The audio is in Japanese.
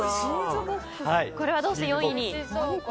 これはどうして４位に？